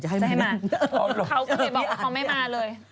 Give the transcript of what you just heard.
ให้มาเขาก็เลยบอกว่าเขาไม่มาเลย